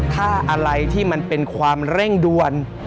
ถ้าอะไรที่มันเป็นความเร่งด่วน